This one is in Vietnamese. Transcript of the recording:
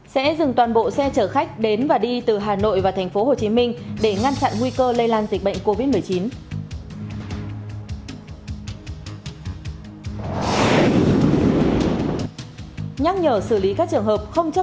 hãy đăng ký kênh để ủng hộ kênh của chúng mình nhé